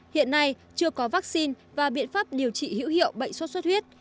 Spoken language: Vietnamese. hiện nay chưa có vaccine và biện pháp điều trị hữu hiệu bệnh xuất xuất huyết